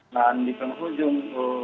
dan di penghujung